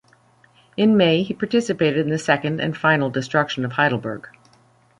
In May, he participated in the second and final destruction of Heidelberg.